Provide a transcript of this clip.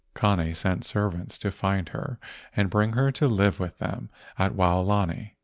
Kane sent servants to find her and bring her to live with them at Waolani.